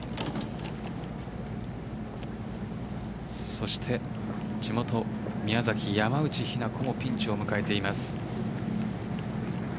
そして、地元・宮崎山内日菜子もピンチを迎えています。